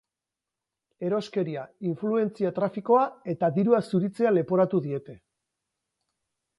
Eroskeria, influentzia-trafikoa eta dirua zuritzea leporatu diete.